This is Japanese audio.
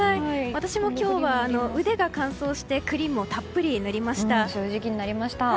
私も今日は腕が乾燥してクリームをたっぷり塗りました。